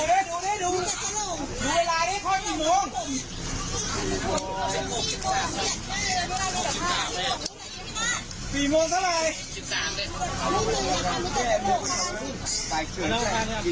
มีลูกกี่คนแล้วสามคนสามคนคนที่สี่หรอเอาถอนนี่ได้ไหมอ่ะ